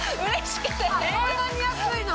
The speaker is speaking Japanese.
こんなに安いの？